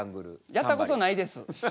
やったことないです。